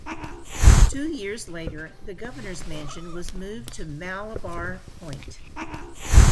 Two years later, the Governor's Mansion was moved to Malabar Point.